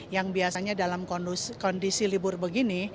yang biasanya dalam kondisi libur begini